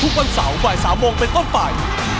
ทุกวันเสาร์บ่าย๓โมงเป็นต้นไป